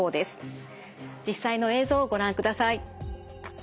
実際の映像をご覧ください。